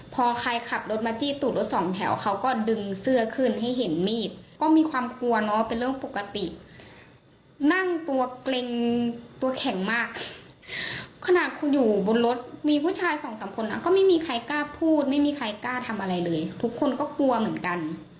ไม่ใช่ใครกล้าทำอะไรเลยทุกคนก็กลัวเหมือนกัน